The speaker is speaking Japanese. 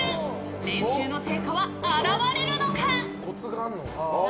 練習の成果は表れるのか？